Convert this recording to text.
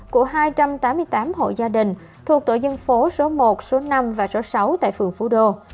của hai trăm tám mươi tám hộ gia đình thuộc tổ dân phố số một số năm và số sáu tại phường phú đô